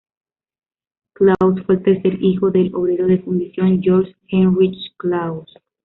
Klaus fue el tercer hijo del obrero de fundición Georg Heinrich Klaus.